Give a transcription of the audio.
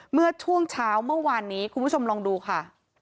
เมื่อช่วงเช้าเมื่อวานนี้คุณผู้ชมลองดูค่ะ